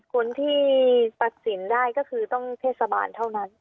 คนที่ตัดสินได้ก็คือต้องเทศบาลเท่านั้น